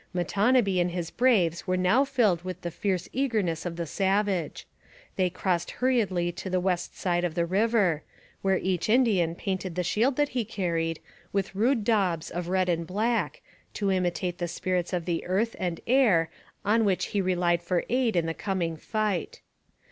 Matonabbee and his braves were now filled with the fierce eagerness of the savage; they crossed hurriedly to the west side of the river, where each Indian painted the shield that he carried with rude daubs of red and black, to imitate the spirits of the earth and air on whom he relied for aid in the coming fight.